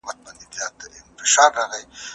هغې په مینه د کتاب په مخ خپل لاس تېر کړ.